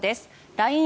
ＬＩＮＥ